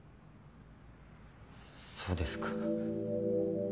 そうですか。